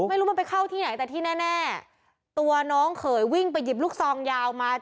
ไม่รู้มันไปเข้าที่ไหนแต่ที่แน่ตัวน้องเขยวิ่งไปหยิบลูกซองยาวมา